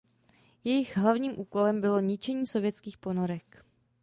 Jejich hlavním úkolem bylo ničení sovětských ponorek.